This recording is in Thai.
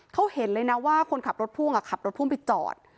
เขาเห็นเลยนะว่าคนขับรถพ่วงขับรถพ่วงไปจอด